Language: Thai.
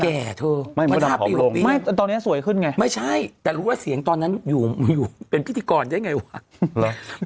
เธอมัน๕ปี๖ปีไม่ตอนนี้สวยขึ้นไงไม่ใช่แต่รู้ว่าเสียงตอนนั้นอยู่เป็นพิธีกรได้ไงวะ